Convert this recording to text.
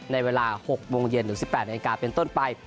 ในเวลา๖โมงเย็นหรือ๑๘นาฬิกาเป็นต้นไป